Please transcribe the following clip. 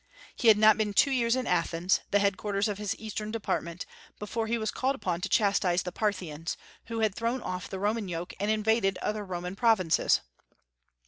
He had not been two years in Athens, the headquarters of his Eastern Department, before he was called upon to chastise the Parthians, who had thrown off the Roman yoke and invaded other Roman provinces.